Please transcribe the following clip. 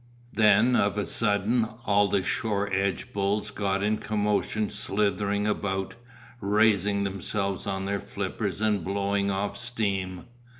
Then, of a sudden, all the shore edge bulls got in commotion slithering about, raising themselves on their flippers and blowing off steam.